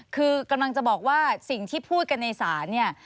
คือกำลังจะบอกว่าสิ่งที่พูดกันในศาลเนี่ย